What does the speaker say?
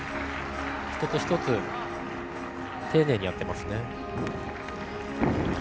一つ一つ丁寧にやっていますね。